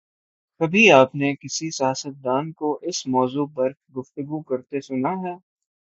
کبھی آپ نے کسی سیاستدان کو اس موضوع پہ گفتگو کرتے سنا ہے؟